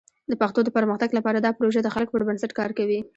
د پښتو د پرمختګ لپاره دا پروژه د خلکو پر بنسټ کار کوي.